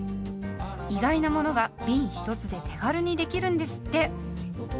意外なものがびん１つで手軽にできるんですって。